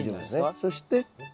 そして？